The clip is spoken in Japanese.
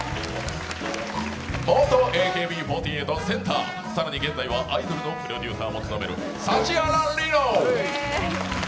元ＡＫＢ４８センター、更に現在はアイドルのプロデューサーも務める、指原莉乃！